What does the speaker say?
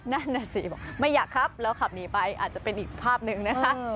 นั่นน่ะสิบอกไม่อยากครับแล้วขับหนีไปอาจจะเป็นอีกภาพหนึ่งนะคะ